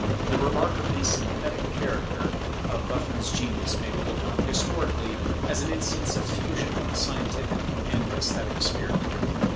The remarkably synthetic character of Buffon's genius may be looked on historically as an instance of fusion of the scientific and esthetic spirit.